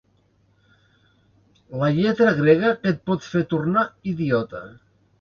La lletra grega que et pot fer tornar idiota.